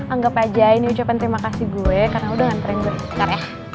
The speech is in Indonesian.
anggep aja ini ucapan terima kasih gue karena lo udah nganterin gue bentar ya